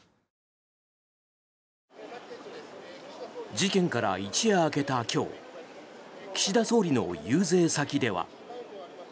事件から一夜明けた今日岸田総理の遊説先では。